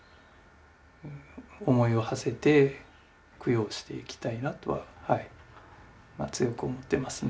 思いをはせて供養していきたいなとははい強く思ってますね。